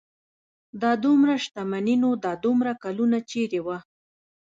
دا دومره شتمني نو دا دومره کلونه چېرې وه.